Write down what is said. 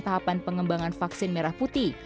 tahapan pengembangan vaksin merah putih